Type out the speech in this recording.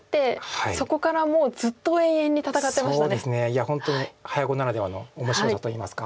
いや本当に早碁ならではの面白さといいますか。